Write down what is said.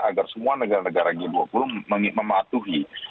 agar semua negara negara g dua puluh mematuhi